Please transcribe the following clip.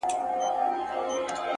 خدايه سندرو کي مي ژوند ونغاړه؛